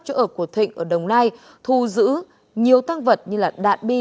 chỗ ở của thịnh ở đồng nai thu giữ nhiều tăng vật như đạn bi